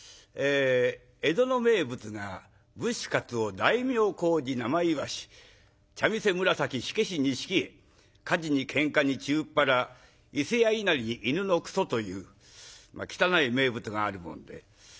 江戸の名物が「武士鰹大名小路生鰯茶店紫火消し錦絵火事に喧嘩に中っ腹伊勢屋稲荷に犬の糞」という汚い名物があるもんで。